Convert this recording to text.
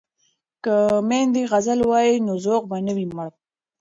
که میندې غزل ووايي نو ذوق به نه وي مړ.